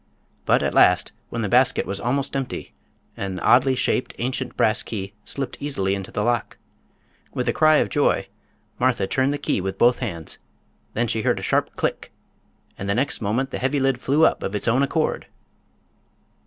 But at last, when the basket was almost empty, an oddly shaped, ancient brass key slipped easily into the lock. With a cry of joy Martha turned the key with both hands; then she heard a sharp "click," and the next moment the heavy lid flew up of its own accord!